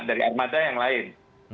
dari armada yang lain